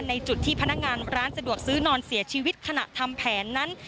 ในจุดที่พนักงานร้านสะดวกซื้อนอนเสียชีวิตขณะทำแผนนั้น